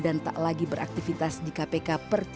dan tak lagi beraktivitas di kpk